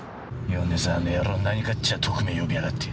米沢の野郎何かっちゃ特命呼びやがって。